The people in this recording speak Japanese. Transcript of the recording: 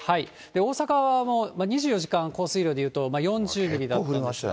大阪は２４時間降水量でいうと、４０ミリだったんですが。